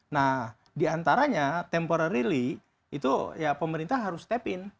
nah diantaranya temporarily itu pemerintah harus step in